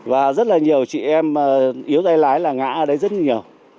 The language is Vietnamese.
và rất là nhiều chị em yếu tay lái là ngã ở đấy rất nhiều